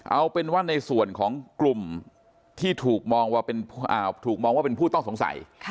เอาเป็นว่าในส่วนของกลุ่มที่ถูกมองว่าถูกมองว่าเป็นผู้ต้องสงสัย